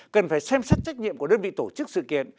cần phải xem xét trách nhiệm của đơn vị tổ chức sự kiện